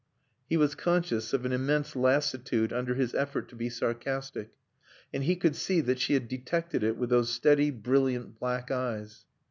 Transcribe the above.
He was conscious of an immense lassitude under his effort to be sarcastic. And he could see that she had detected it with those steady, brilliant black eyes.